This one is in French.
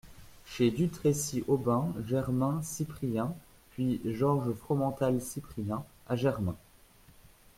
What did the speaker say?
Chez Dutrécy Aubin, Germain, Cyprien ; puis Georges Fromental Cyprien , à Germain.